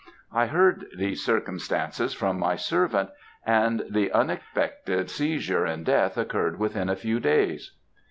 "I heard these circumstances from my servant; and the unexpected seizure and death occurred within a few days."